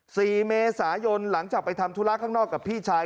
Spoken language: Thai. สี่เมษายนหลังจากไปทำธุระข้างนอกกับพี่ชาย